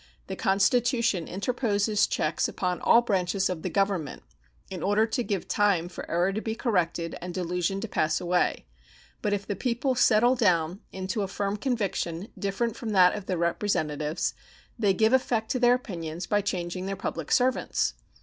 The Constitution interposes checks upon all branches of the Government, in order to give time for error to be corrected and delusion to pass away; but if the people settle down into a firm conviction different from that of their representatives they give effect to their opinions by changing their public servants.